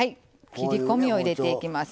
切り込みを入れていきますよ。